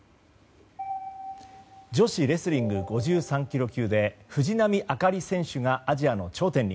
女子レスリング５３ｋｇ級で藤波朱理選手がアジアの頂点に。